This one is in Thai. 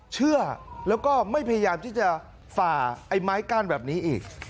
เชื่อแล้วก็ไม่พยายามที่จะฝ่าไอ้ไม้กั้นแบบนี้อีก